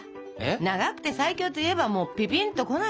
「長くて最強」といえばピピンとこないと！